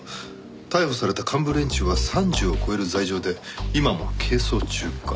逮捕された幹部連中は３０を超える罪状で今も係争中か。